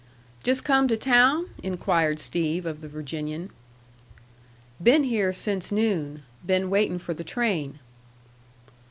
"Just come to town?" inquired Steve of the Virginian. "Been here since noon. Been waiting for the train."